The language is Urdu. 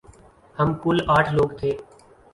ہم کل آٹھ لوگ تھے ۔